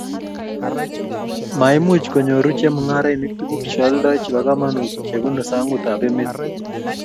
maimuch konyoru chemung'arenik tuguk che oldoi chebo kamanut che bunu sang'utab emet